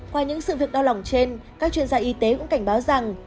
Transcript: qua những sự việc đau lòng trên các chuyên gia y tế cũng cảnh báo rằng